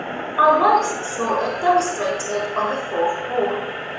I once saw it demonstrated on the fourth hall.